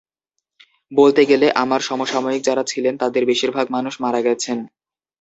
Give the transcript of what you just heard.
বলতে গেলে আমার সমসাময়িক যাঁরা ছিলেন, তাঁদের বেশির ভাগ মানুষ মারা গেছেন।